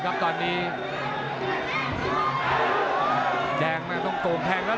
แล้วทีมงานน่าสื่อ